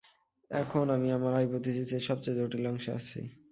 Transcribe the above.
এখন আমি আমার হাইপোথিসিসের সবচেয়ে জটিল অংশে আসছি।